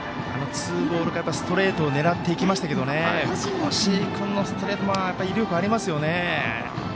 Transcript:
ツーボールからストレートを狙っていきましたけど越井君のストレート威力ありますね。